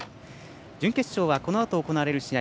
準決勝はこのあと行われる試合